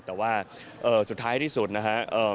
แต่ว่าสุดท้ายที่สุดนะครับ